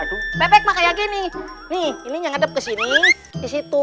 tuh bebek kayak gini nih ini yang hadap kesini disitu